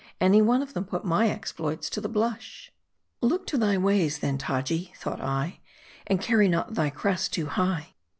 Any one of them put my exploits to the blush. Look to thy ways then, Taji, thought I, and carry not thy crest too high.